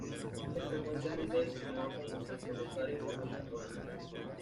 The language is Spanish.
Es frecuentemente designado como Santo Rosario por los católicos.